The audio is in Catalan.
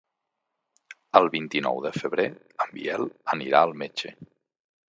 El vint-i-nou de febrer en Biel anirà al metge.